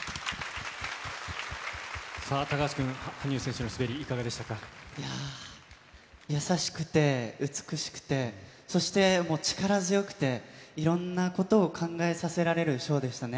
さあ、高橋君、羽生選手の滑いやー、優しくて、美しくて、そして力強くて、いろんなことを考えさせられるショーでしたね。